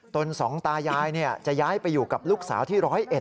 ตนสองตายายเนี่ยจะย้ายไปอยู่กับลูกสาวที่ร้อยเอ็ด